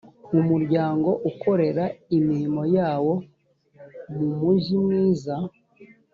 umuryango ukorera imirimo yawo mu mujyi mwiza